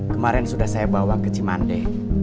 kemarin sudah saya bawa ke cimande